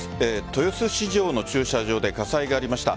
豊洲市場の駐車場で火災がありました。